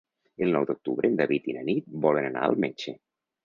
El nou d'octubre en David i na Nit volen anar al metge.